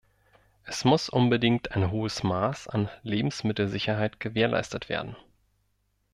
Es muss unbedingt ein hohes Maß an Lebensmittelsicherheit gewährleistet werden.